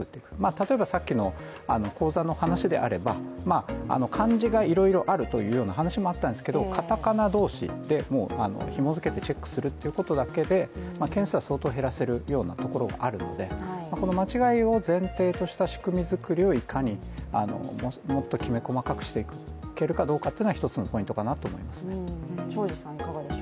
例えばさっきの口座の話であれば漢字がいろいろあるというような話もあったんですけれどもカタカナ同士でもひも付けてチェックするというだけで、件数は相当減らせるようなところもあるのでこの間違いを前提とした仕組み作りをいかに、もっときめ細かくしていけるかどうかというのが一つのポイントかなと思います。